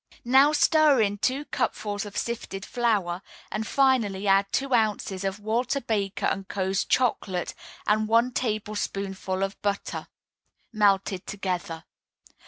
Now stir in two cupfuls of sifted flour, and finally add two ounces of Walter Baker & Co.'s Chocolate and one tablespoonful of butter, melted together.